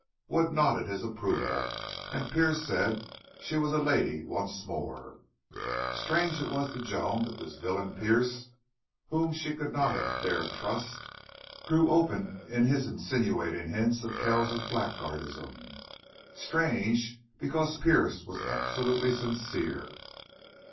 Wood nodded his approval and Pearce said she was a lady once more. Strange it was to Joan that this villain Pearce, whom she could not have dared trust, grew open in his insinuating hints of Kells's blackguardism. Strange because Pearce was absolutely sincere!